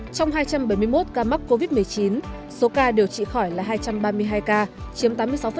trong hai trăm bảy mươi một ca mắc covid một mươi chín số ca điều trị khỏi là hai trăm ba mươi hai ca chiếm tám mươi sáu